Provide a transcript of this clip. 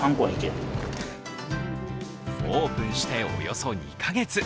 オープンしておよそ２か月。